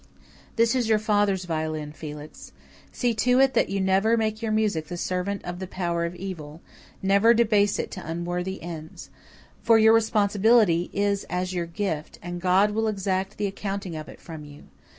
"This is your father's violin, Felix. See to it that you never make your music the servant of the power of evil never debase it to unworthy ends. For your responsibility is as your gift, and God will exact the accounting of it from you.